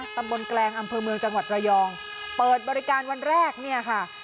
แกลงอำเภอเมืองจังหวัดระยองเปิดบริการวันแรกเนี่ยค่ะ